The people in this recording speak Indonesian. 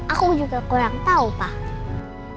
aku juga kurang tahu pak